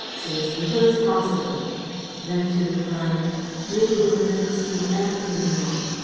Say as little as possible." Then to the farmer: "Nous vous remercions infiniment.